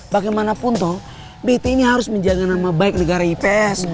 bagaimanapun toh bt ini harus menjaga nama baik negara ips